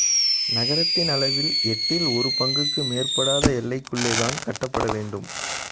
நகரத்தின் அளவில் எட்டில் ஒரு பங்குக்கு மேற்படாத எல்லைக்குள்ளே தான் கட்டப்பட வேண்டும்.